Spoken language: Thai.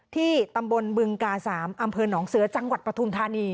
ที่ตำบลบึงกา๓อำเภอหนองเสือจังหวัดปฐุมธานี